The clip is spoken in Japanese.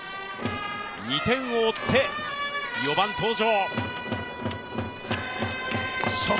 ２点を追って、４番登場。